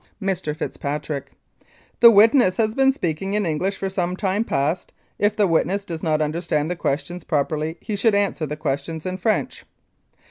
Mr. FITZPATRICK: This witness has been speaking in English for some time past. If the witness does not under stand the questions properly he should answer the questions in French.